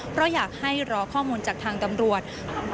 เพราะอยากให้รอข้อมูลจากทางตำรวจ